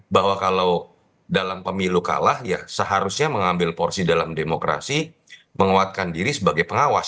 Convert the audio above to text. bahwa kalau dalam pemilu kalah ya seharusnya mengambil porsi dalam demokrasi menguatkan diri sebagai pengawas